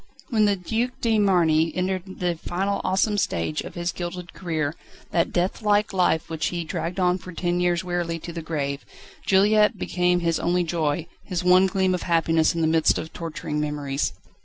When the Duc de Marny entered the final awesome stage of his gilded career, that deathlike life which he dragged on for ten years wearily to the grave, Juliette became his only joy, his one gleam of happiness in the midst of torturing memories.